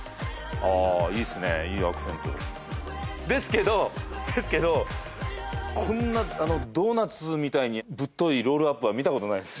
あいいっすねいいアクセントですけどですけどこんなドーナツみたいにぶっといロールアップは見たことないです